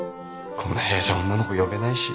こんな部屋じゃ女の子呼べないし。